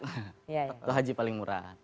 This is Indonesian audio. itu haji paling murah